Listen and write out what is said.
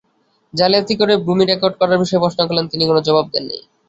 জালিয়াতি করে ভূমি রেকর্ড করার বিষয়ে প্রশ্ন করলে তিনি কোনো জবাব দেননি।